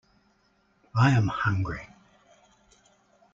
I am hungry.